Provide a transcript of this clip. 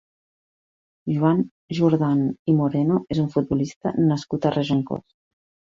Joan Jordán i Moreno és un futbolista nascut a Regencós.